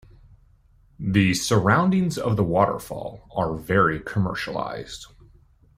The surroundings of the waterfall are very commercialized.